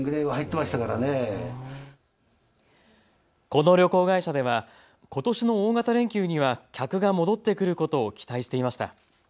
この旅行会社ではことしの大型連休には客が戻ってくることを期待していました。